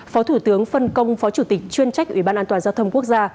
phó thủ tướng phân công phó chủ tịch chuyên trách ủy ban an toàn giao thông quốc gia